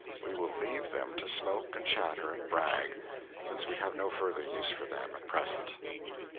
We will leave them to smoke and chatter and brag, since we have no further use for them at present.